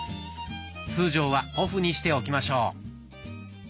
通常はオフにしておきましょう。